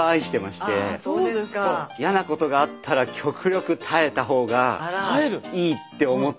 やなことがあったら極力耐えた方がいいって思ってるんです。